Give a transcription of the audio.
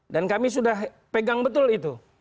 dan kami sudah pegang betul itu